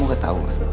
kamu gak tau kan